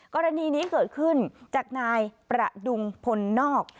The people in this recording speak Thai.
กรณีนี้เกิดขึ้นจากนายประดุงพลนอก